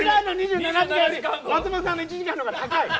松本さんの１時間の方が高い。